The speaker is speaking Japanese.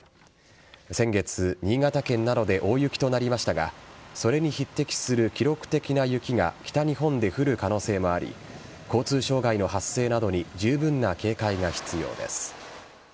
先月、新潟県などで大雪となりましたがそれに匹敵する記録的な雪が北日本で降る可能性もあり交通障害の発生などに十分な警戒が必要です。